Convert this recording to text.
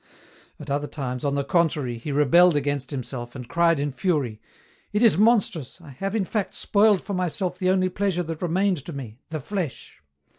At other times, on the contrary, he rebelled against himself, and cried in fury :" It is monstrous, I have in fact spoiled for myself the only pleasure that remained to me — the flesh.